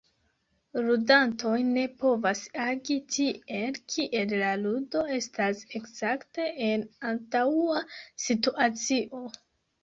Ludantoj ne povas agi tiel, kiel la ludo estas ekzakte en antaŭa situacio.